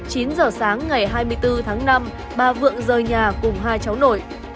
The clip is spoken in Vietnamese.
chín h sáng ngày hai mươi bốn tháng năm ba vượng rời nhà cùng hai cháu nội